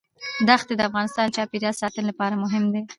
دښتې د افغانستان د چاپیریال ساتنې لپاره مهم دي.